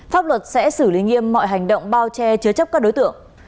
pháp luật sẽ xử lý nghiêm mọi hành động bao che chứa chấp các đối tượng